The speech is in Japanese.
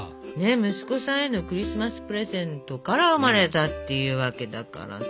息子さんへのクリスマスプレゼントから生まれたっていうわけだからさ。